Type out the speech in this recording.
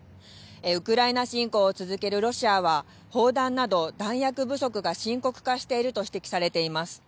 ウクライナ侵攻を続けるロシアは、砲弾など弾薬不足が深刻化していると指摘されています。